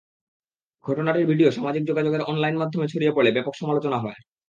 ঘটনাটির video সামাজিক যোগাযোগের online মাধ্যমে ছড়িয়ে পড়লে ব্যাপক সমালোচনা হয়।